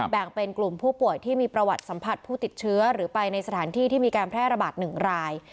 แบ่งเป็นกลุ่มผู้ป่วยที่มีประวัติสัมผัสผู้ติดเชื้อหรือไปในสถานที่ที่มีการแพร่ระบาด๑ราย